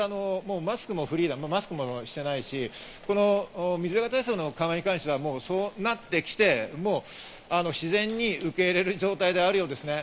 マスクもフリー、マスクもしてないですし、水際対策の緩和に関して、そうなってきて、自然に受け入れる状態であるようですね。